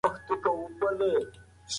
پلار هڅه کوي چې کورنۍ يې آرامه وي.